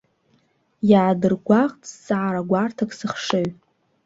Иаадыргәаҟт зҵаара гәарҭак сыхшыҩ.